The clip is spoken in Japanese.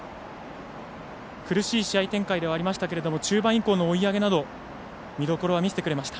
苦しい試合展開ではありましたが中盤以降の追い上げなど見どころは見せてくれました。